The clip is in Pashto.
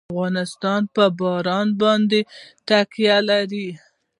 افغانستان په باران باندې تکیه لري.